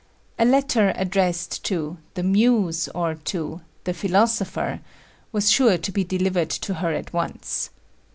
A letter addressed to "The Muse," or to "The Philosopher" [Greek: Tê Philosophô] was sure to be delivered to her at once.